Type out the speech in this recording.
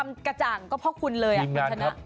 มีงานครับ